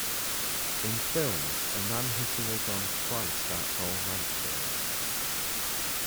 In films, a man hitting a gong twice starts all Rank films.